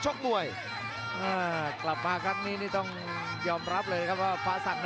จังหวาดึงซ้ายตายังดีอยู่ครับเพชรมงคล